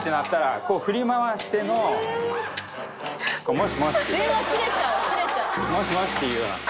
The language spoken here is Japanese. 「もしもし」というような。